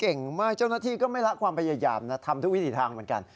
เก่งมากเจ้าหน้าที่ก็ไม่ละความพยายามนะทำทุกวิถีทางเหมือนกัน